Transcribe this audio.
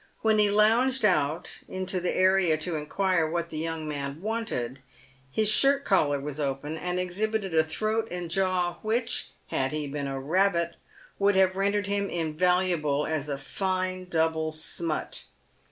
When he lounged out into the area to inquire what the " young man" wanted, his shirt collar was open, and exhibited a throat and jaw which, had he been a rabbit, would have rendered him invaluable as a fine double smut.